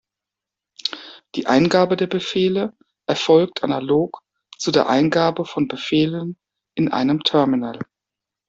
Die Eingabe der Befehle erfolgt analog zu der Eingabe von Befehlen in einem Terminal.